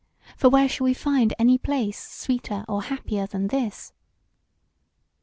For where shall we find any place sweeter or happier than this?"